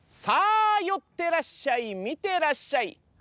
さあよってらっしゃいみてらっしゃい！